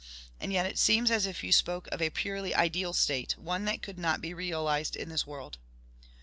And yet it seems as if you spoke of a purely ideal state one that could not be realised in this world."